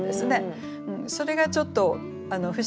それがちょっと不思議で面白い。